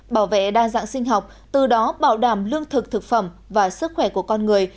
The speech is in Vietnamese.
bảo vệ đa dạng sinh học từ đó bảo đảm lương thực thực phẩm và sức khỏe của con người